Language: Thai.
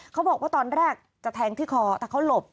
เขาบอกว่าตอนแรกจะแทงที่คอแต่เขาหลบ